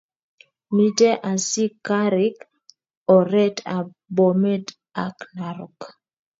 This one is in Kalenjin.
Mite asikarik oret ab bomet ak narok